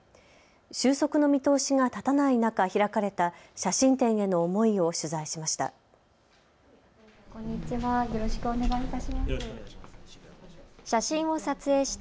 収束の見通しが立たない中、開かれた写真展への思いを取材しました。